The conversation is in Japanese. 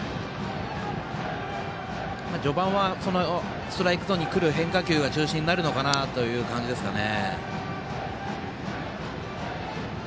序盤はストライクゾーンにくる変化球が中心になるのかなという感じですね。